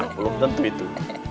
belum tentu itu